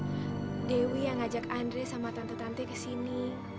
bu dewi yang ngajak andri sama tante tante kesini